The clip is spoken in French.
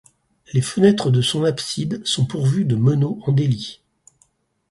Les fenêtres de son abside sont pourvues de meneaux en délit.